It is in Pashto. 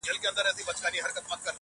ځيني يې هنر بولي لوړ,